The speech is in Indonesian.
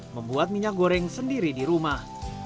membuat minyak goreng sendiri di rumah